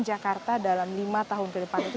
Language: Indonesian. jakarta dalam lima tahun ke depan itu